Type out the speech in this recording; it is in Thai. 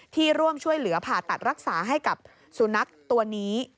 ที่ร่วมช่วยเหลือผ่าตัดรักษาให้กับสุนัขตัวนี้